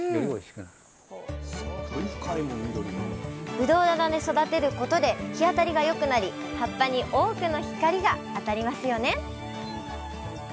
ぶどう棚で育てることで日当たりが良くなり葉っぱに多くの光が当たりますよね